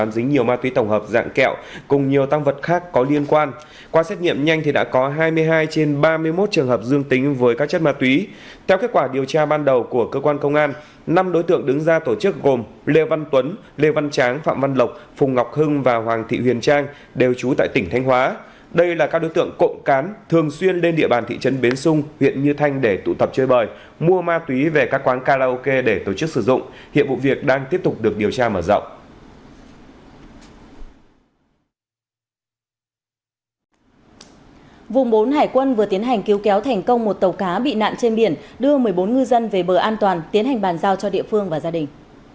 vùng bốn hải quân vừa tiến hành cứu kéo thành công một tàu cá bị nạn trên biển đưa một mươi bốn ngư dân về bờ an toàn tiến hành bàn giao cho địa phương và gia đình